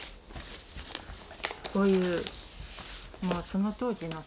こういうその当時の。